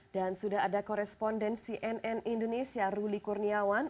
dan sudah ada koresponden cnn indonesia ruli kurniawan